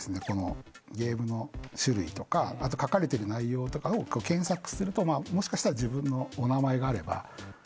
このゲームの種類とかあと書かれてる内容とかを検索するともしかしたら自分のお名前があれば。